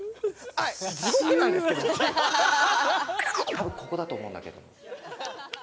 多分ここだと思うんだけど。